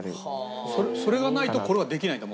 それがないとこれはできないんだ？